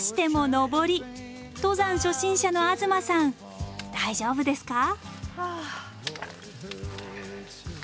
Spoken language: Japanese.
登山初心者の東さん大丈夫ですか？